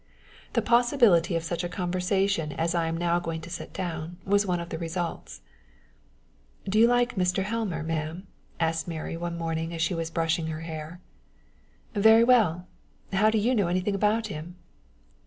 The possibility of such a conversation as I am now going to set down was one of the results. "Do you like Mr. Helmer, ma'am?" asked Mary one morning, as she was brushing her hair. "Very well. How do you know anything of him?"